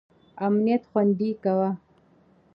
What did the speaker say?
امنیت خوندي کاوه.